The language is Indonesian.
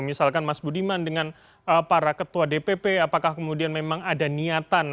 misalkan mas budiman dengan para ketua dpp apakah kemudian memang ada niatan